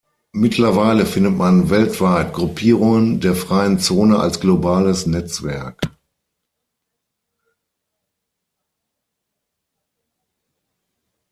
Mittlerweile findet man weltweit Gruppierungen der Freien Zone als globales Netzwerk.